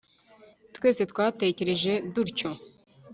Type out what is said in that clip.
twese twatekereje dutyo